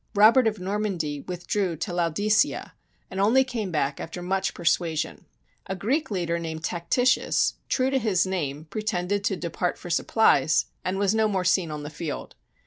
Robert of Normandy withdrew to Lao dicea, and only came back after much persuasion. A Greek leader named Tactitius, true to his name, pretended to depart for supplies and was no more seen on the field.